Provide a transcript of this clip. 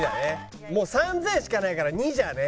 もう３０００しかないから２じゃね。